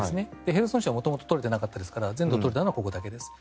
ヘルソン州は元々、取れていなかったですから全土を取れたのはここだけです。